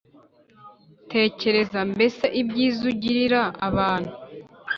tekereza mbese ibyiza ugirira abantu: